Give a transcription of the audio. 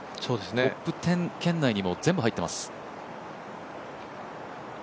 トップ１０圏内にも全部入っています。